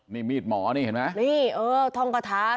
นี่มีดหมอนี่เห็นมั้ย